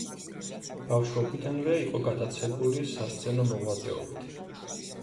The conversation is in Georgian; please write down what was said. ბავშვობიდანვე იყო გატაცებული სასცენო მოღვაწეობით.